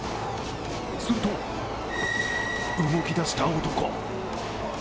すると、動きだした男。